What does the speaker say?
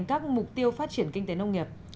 các mục tiêu phát triển kinh tế nông nghiệp